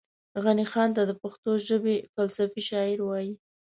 غني خان ته دا پښتو ژبې فلسفي شاعر وايي